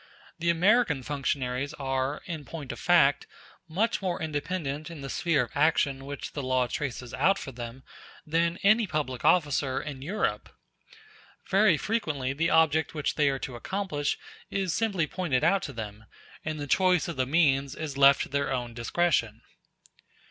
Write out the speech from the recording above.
The American functionaries are, in point of fact, much more independent in the sphere of action which the law traces out for them than any public officer in Europe. Very frequently the object which they are to accomplish is simply pointed out to them, and the choice of the means is left to their own discretion.